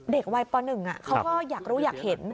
เด็กวัยป๑เขาก็อยากรู้อยากเห็น